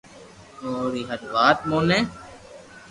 اوري ھر وات موني